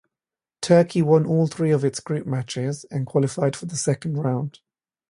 Turkey won all three of its group matches and qualified for the second round.